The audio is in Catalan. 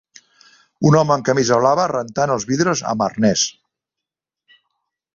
Un home amb camisa blava rentant els vidres amb arnés.